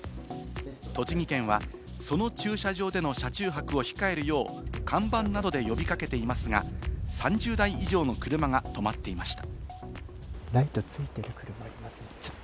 栃木県はその駐車場での車中泊を控えるよう、看板などで呼び掛けていますが、３０台以上の車が止まっていました。